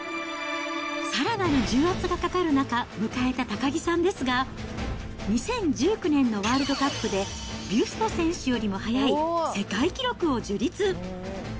さらなる重圧がかかる中、迎えた高木さんですが、２０１９年のワールドカップで、ビュスト選手よりも速い世界記録を樹立。